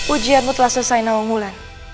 ujianmu telah selesai nawa mulan